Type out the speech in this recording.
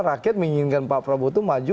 rakyat menginginkan pak prabowo itu maju